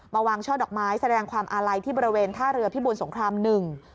วางช่อดอกไม้แสดงความอาลัยที่บริเวณท่าเรือพิบูรสงครามหนึ่ง